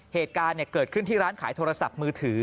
เหตุการณ์เกิดขึ้นที่ร้านขายโทรศัพท์มือถือ